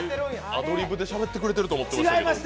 アドリブでしゃべってくれてるのかと思った。